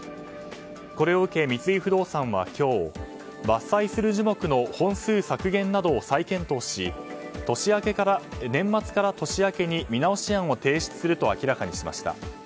これを受け、三井不動産は今日伐採する樹木の本数削減などを再検討し年末から年明けに見直し案を提出すると明らかにしました。